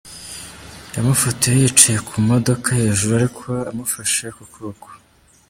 Yamufotoye yicaye ku modoka hejuru ariko amufashe ku kuboko.